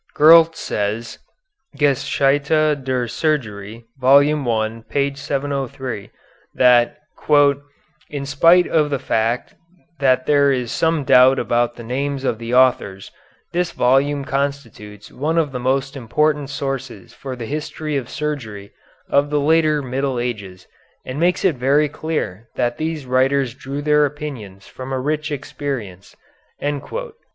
Gurlt says ("Geschichte der Chirurgie," Vol. I, p. 703) that "in spite of the fact that there is some doubt about the names of the authors, this volume constitutes one of the most important sources for the history of surgery of the later Middle Ages and makes it very clear that these writers drew their opinions from a rich experience."